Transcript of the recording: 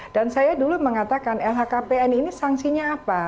dan saya dulu mengatakan lhkpn ini sangsinya apa